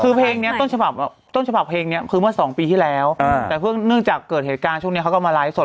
คือเพลงนี้ต้นฉบับต้นฉบับเพลงนี้คือเมื่อสองปีที่แล้วแต่เพิ่งเนื่องจากเกิดเหตุการณ์ช่วงนี้เขาก็มาไลฟ์สด